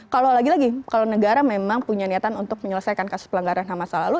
kalau lagi lagi kalau negara memang punya niatan untuk menyelesaikan kasus pelanggaran ham masa lalu